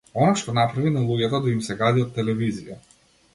Она што направи на луѓето да им се гади од телевизија.